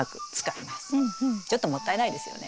ちょっともったいないですよね。